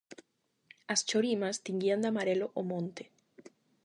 As chorimas tinguían de amarelo o monte.